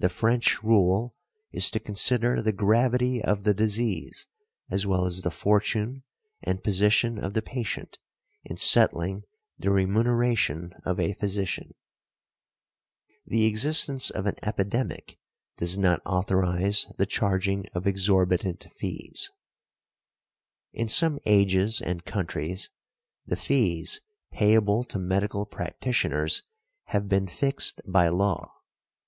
The French rule is to consider the gravity of the disease as well as the fortune and position of the patient in settling the remuneration of a physician . The existence of an epidemic does not authorise the charging of exorbitant fees . In some ages and countries the fees payable to medical practitioners have been fixed by law.